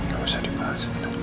gak usah dibahas